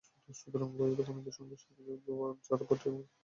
সুতরাং, বইয়ের দোকানিদের সঙ্গে শিক্ষার্থীদের ঝগড়াঝাঁটির কোনো ভিত্তি থাকতে পারে না।